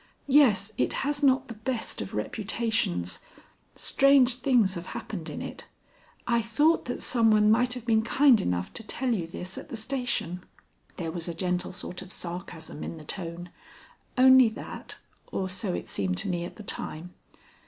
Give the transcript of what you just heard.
"Yes, it has not the best of reputations. Strange things have happened in it. I thought that some one might have been kind enough to tell you this at the station." There was a gentle sort of sarcasm in the tone; only that, or so it seemed to me at the time.